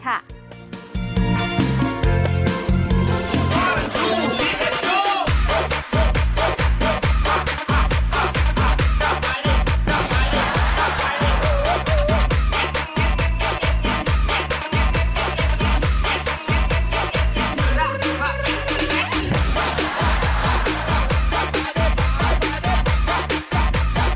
สวัสดีครับ